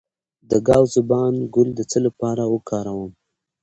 د ګاو زبان ګل د څه لپاره وکاروم؟